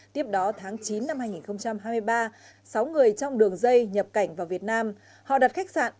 tiếp đó tháng chín năm hai nghìn hai mươi ba sáu người trong đường dây nhập cảnh vào việt nam họ đặt khách sạn